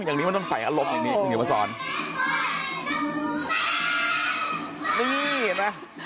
นี่เหนอ